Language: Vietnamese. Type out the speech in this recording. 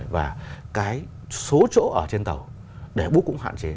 và cái số chỗ ở trên tàu đẻ bút cũng hạn chế